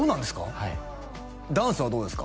はいダンスはどうですか？